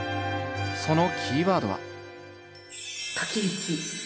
そのキーワードは。